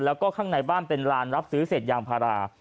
แล้วก็ข้างในบ้านเป็นลานรับซื้อเศษยางพารา